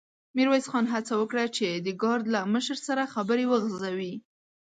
ميرويس خان هڅه وکړه چې د ګارد له مشر سره خبرې وغځوي.